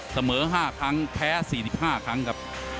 เสมอ๕ครั้งแพ้๔๕ครั้งครับ